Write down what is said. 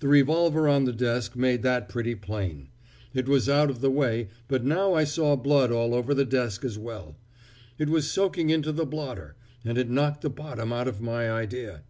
The revolver on the desk made that pretty plain. It was out of the way, but now I saw blood all over the desk as well; it was soaking into the blotter, and it knocked the bottom out of my idea.